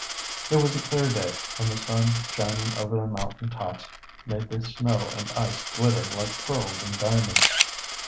It was a clear day and the sun, shining over the mountain tops, made the snow and ice glitter like pearls and diamonds.